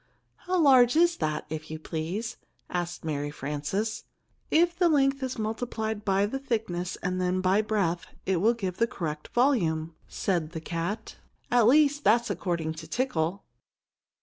"How large is that, if you please?" asked Mary Frances. "If the length is multiplied by the thickness and then by breadth, it will give the correct volume," said the cat; "at least, that's according to tickle."